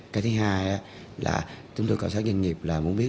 cái thứ hai là chúng tôi khảo sát doanh nghiệp là muốn biết